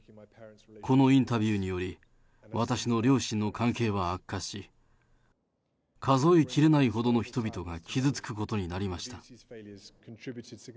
このインタビューにより、私の両親の関係は悪化し、数えきれないほどの人々が傷つくことになりました。